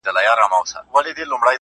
د چا په برېت کي ونښتې پېزوانه سرگردانه